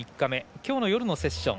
きょうの夜のセッション。